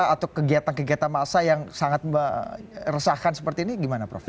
atau kegiatan kegiatan massa yang sangat meresahkan seperti ini gimana prof